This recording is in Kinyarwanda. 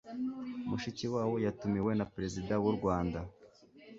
Mushikiwabo yatumiwe na Perezida w'u Rwanda